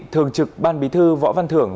thường trực ban bí thư võ văn thưởng